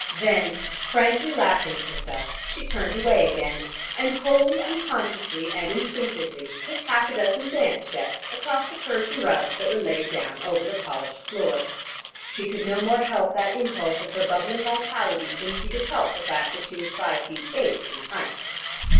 Then frankly laughing at herself she turned away again, and wholly unconsciously and instinctively took half a dozen dance steps across the Persian rugs that were laid down over the polished floor. She could no more help that impulse of her bubbling vitality than she could help the fact that she was five feet eight in height.